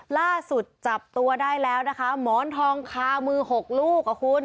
ล่าสุดจับตัวได้แล้วนะคะหมอนทองคามือหกลูกอ่ะคุณ